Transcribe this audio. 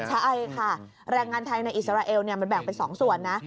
ใช่ค่ะแรงงานไทยในอิสราเอลมันแบ่งเป็น๒ส่วนนะ